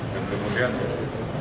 dan kemudian ke jogja